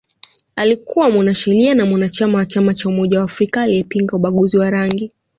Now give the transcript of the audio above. Alikuwa mwanasheria na mwanachama wa Chama cha umoja wa Afrika aliyepinga ubaguzi wa rangi